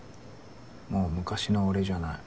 もう昔の俺じゃない。